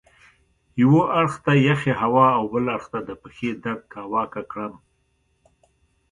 یوه اړخ ته یخې هوا او بل اړخ ته د پښې درد کاواکه کړم.